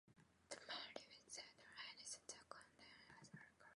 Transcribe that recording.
The men living there drank anything that contained alcohol.